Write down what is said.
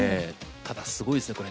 ただすごいですねこれ。